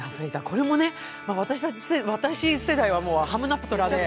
これも私世代は「ハムナプトラ」で。